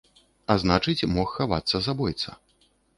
А значыць, мог хавацца забойца.